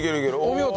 お見事。